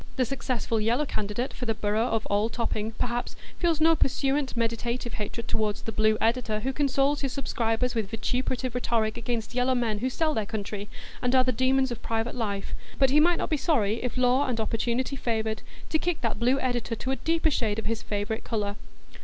The successful Yellow candidate for the borough of Old Topping, perhaps, feels no pursuant meditative hatred toward the Blue editor who consoles his subscribers with vituperative rhetoric against Yellow men who sell their country, and are the demons of private life; but he might not be sorry, if law and opportunity favoured, to kick that Blue editor to a deeper shade of his favourite colour.